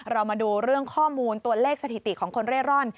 เรามาดูเรื่องข้อมูลตัวเลขสถิติของคนเร่ร่อน